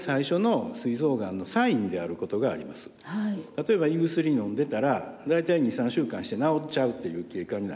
例えば胃薬飲んでたら大体２３週間して治っちゃうという経過になります。